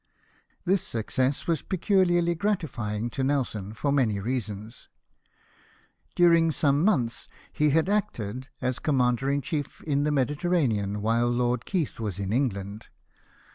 This success was pecuharly gratifying to Nelson for many reasons. During some 206 LIFE OF NELSON. months he had acted as commander in chief in the Mediterranean while Lord Keith was in England.